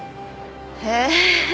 へえ。